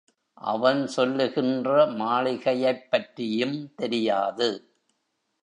அவன் சொல்லுகின்ற மாளிகையைப்பற்றியும் தெரியாது.